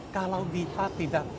kalau bisa tidak